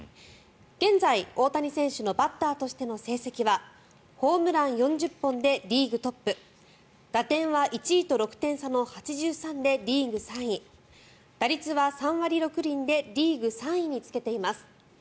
現在、大谷選手のバッターとしての成績はホームラン４０本でリーグトップ打点は１位と６点差の８３でリーグ３位打率は３割６厘でリーグ３位につけています。